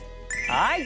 はい！